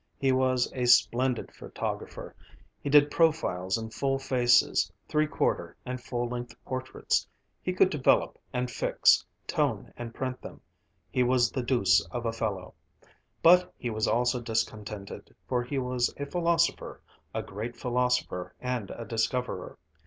He was a splendid photographer; he did profiles and full faces, three quarter and full length portraits; he could develop and fix, tone and print them. He was the deuce of a fellow! But he was always discontented, for he was a philosopher, a great philosopher and a discoverer.